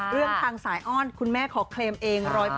เรื่องทางสายอ้อนคุณแม่ขอเคลมเอง๑๐๐